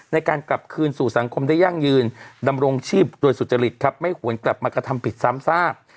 ในการกลับคืนสู่สังคมได้ยั่งยืนดำรงชีพโดยสุจริตครับไม่ควรกลับมากระทำผิดซ้ำซาก